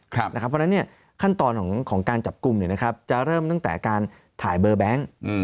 เพราะฉะนั้นขั้นตอนของการจับกลุ่มจะเริ่มตั้งแต่การถ่ายเบอร์แบงค์